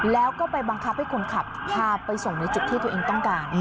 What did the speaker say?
แล้วก็ไปบังคับให้คนขับพาไปส่งในจุดที่ตัวเองต้องการ